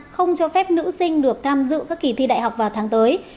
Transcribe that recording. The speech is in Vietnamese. không cho phép nữ sinh được tham dự các kỳ thi đại học vào tháng tới